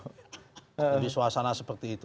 jadi suasana seperti itu